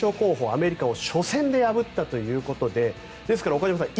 アメリカを初戦で破ったということでですから、岡島さん